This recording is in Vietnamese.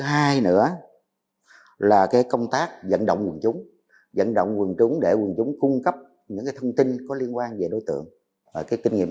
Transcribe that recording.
hành vi của nguyễn văn dương đã đủ yếu tố cấu thành tội giết người hủy hoại tài sản do bị can lê kim nghiêm